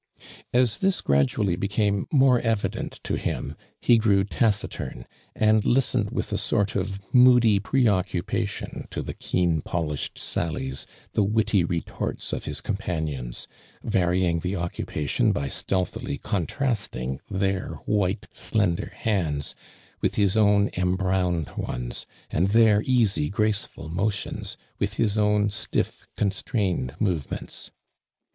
An this gradually became more evid«nt to him, he gr«w ^iturn, aod listened with a sort of moody pre occu|>atioQ to. the W^on polished saUies, the witty retorts of his companions, varying the occupation by stealtliily contrasting their white slender hands with his own embrowned ones, and their easy, ^aceful motions, with his owti stiff, constrained movements.